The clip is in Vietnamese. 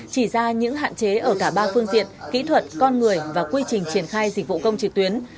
chỉ ra những hạn chế ở cả ba phương diện kỹ thuật con người và quy trình triển khai dịch vụ công trực tuyến